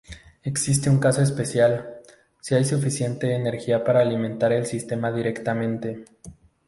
Existe un caso especial, si hay suficiente energía para alimentar el sistema directamente.